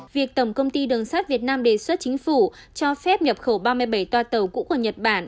việc tổng công ty đường sắt việt nam đề xuất chính phủ cho phép nhập khẩu ba mươi bảy toa tàu cũ của nhật bản